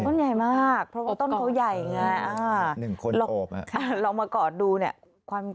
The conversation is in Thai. อ๋อต้นใหญ่มากเพราะต้นเขาใหญ่ไงอ๋อหลอกมากอดดูเนี่ย